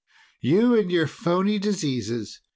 "You and your phony diseases.